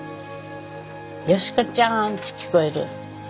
美子ちゃんち聞こえる。